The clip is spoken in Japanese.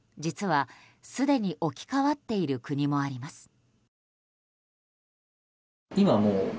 実はすでに置き換わっている国もあります。